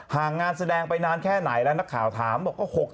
หางานแสดงไปนานแค่ไหนละนักข่าวถามบอกว่า๖๗ปี